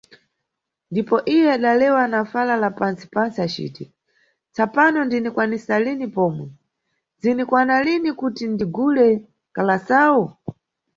Ndipo iye adalewa na fala la pantsi-pantsi aciti, tsapano ndinikwanisa lini pomwe, zini kwana lini kuti ndigule kalasawu?